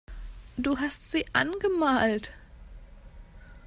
Du hast sie angemalt.